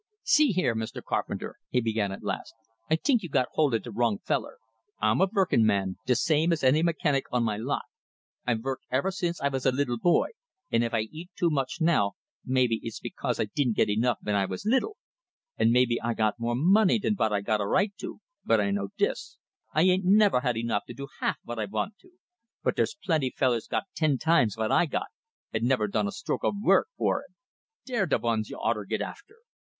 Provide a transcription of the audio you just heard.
"See here, Mr. Carpenter," he began at last, "I tink you got hold o' de wrong feller. I'm a verkin' man, de same as any mechanic on my lot. I verked ever since I vas a liddle boy, and if I eat too much now, maybe it's because I didn't get enough ven I vas liddle. And maybe I got more money dan vot I got a right to, but I know dis I ain't never had enough to do half vot I vant to! But dere's plenty fellers got ten times vot I got, and never done a stroke o' vork fer it. Dey're de vuns y'oughter git after!"